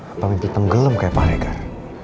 apa mimpi tenggelam kayak pak rekar